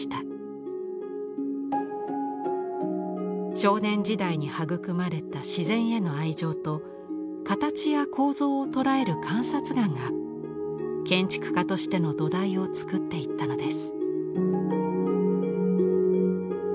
少年時代に育まれた自然への愛情と形や構造を捉える観察眼が建築家としての土台を作っていったのです。